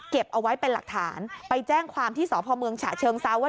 เอาไว้เป็นหลักฐานไปแจ้งความที่สพเมืองฉะเชิงเซาว่า